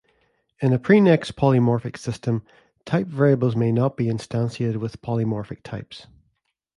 In a "prenex polymorphic" system, type variables may not be instantiated with polymorphic types.